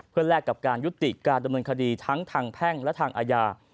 เพื่อแลกกับการยุติการดำเนินคดีทั้งทางแพ่งและทางอาญา